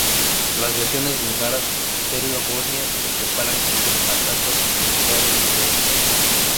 Las versiones búlgara, serbia, bosnia se preparan con patatas en lugar de berenjenas.